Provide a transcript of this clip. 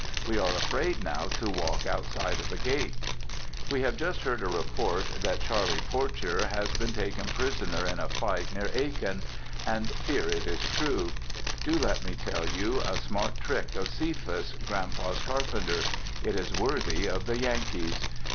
We are afraid now to walk outside of the gate. We have just heard a report that Charlie Porcher has been taken prisoner in a fight near Aiken, and fear it is true. Do let me tell you a smart trick of Cephas, Grand Pa's carpenter! It is worthy of the Yankees.